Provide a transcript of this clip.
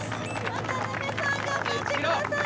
渡邊さん頑張って下さい。